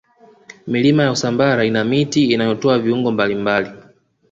milima ya usambara ina miti inayotoa viungo mbalimbali